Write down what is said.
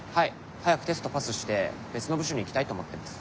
早くテストパスして別の部署に行きたいと思ってます。